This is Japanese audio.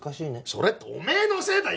それおめえのせいだ！